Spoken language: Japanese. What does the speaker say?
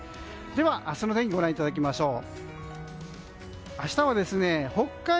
では、明日の天気ご覧いただきましょう。